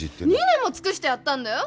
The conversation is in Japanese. ２年も尽くしてやったんだよ。